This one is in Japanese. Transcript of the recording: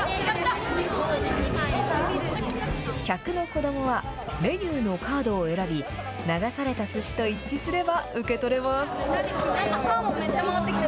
客の子どもは、メニューのカードを選び、流されたすしと一致すれば受け取れます。